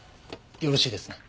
よろしいですね？